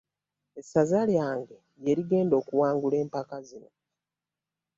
Essaza lyange lye ligenda okuwangula empaka zino.